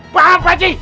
paham pak ji